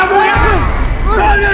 kalian yang pengianat